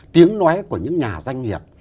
tiếng nói của những nhà doanh nghiệp